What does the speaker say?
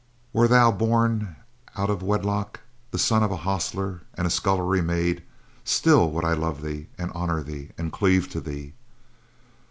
"Were thou born out of wedlock, the son of a hostler and a scullery maid, still would I love thee, and honor thee, and cleave to thee.